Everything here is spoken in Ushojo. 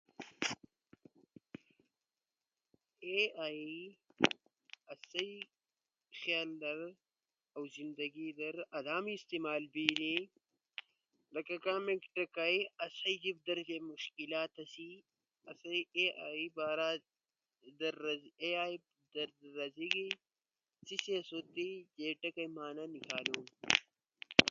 اے آئی آسئی خیال در اؤ زندگی در آدامو استعمال بینی لکہ کامیک ٹکئی آسئی جیب در مشکلات آسی اے آئی در رزیگی، سی سئی اسو تی جے ٹکئی معنی نیکالونا،